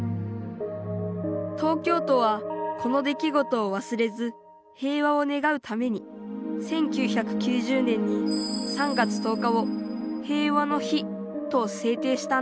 東京都はこの出来事をわすれず平和をねがうために１９９０年に３月１０日を「平和の日」と制定したんだ。